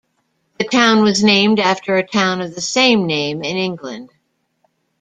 The town was named after a town of the same name in England.